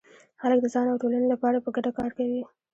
خلک د ځان او ټولنې لپاره په ګډه کار کوي.